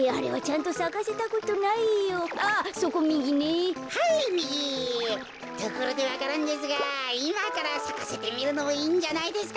ところでわか蘭ですがいまからさかせてみるのもいいんじゃないですか？